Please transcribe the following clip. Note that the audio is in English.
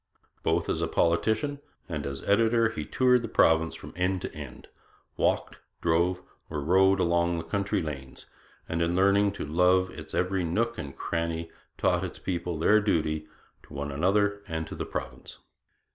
Both as politician and as editor he toured the province from end to end, walked, drove, or rode along the country lanes, and in learning to love its every nook and cranny taught its people their duty to one another and to the province.